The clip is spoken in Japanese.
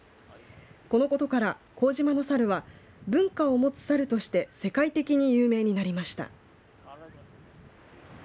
このことから幸島の猿は文化を持つ猿として世界的に有名になりました。